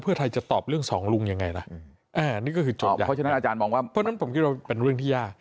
เพื่อไทยจะตอบเรื่องสองลุงอย่างไรล่ะนี่ก็คือจดอย่างเพราะฉะนั้นผมคิดว่าเป็นเรื่องที่ยาก